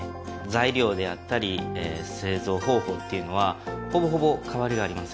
材料であったり製造方法っていうのはほぼほぼ変わりがありません